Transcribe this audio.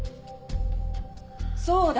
そうだ！